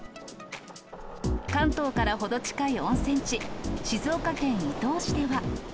関東から程近い温泉地、静岡県伊東市では。